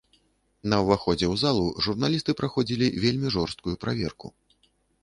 На ўваходзе ў залу журналісты праходзілі вельмі жорсткую праверку.